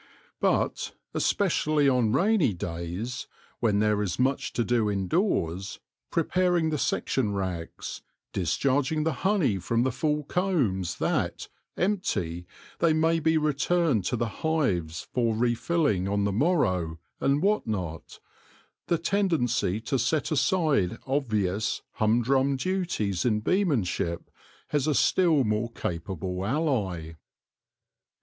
But, especially on rainy days, when there is much to do indoors — preparing the section racks, discharg ing the honey from the full combs that, empty, they may be returned to the hives for refilling on the morrow, and what not — the tendency to set aside obvious, humdrum duties in beemanship has a still more capable ally.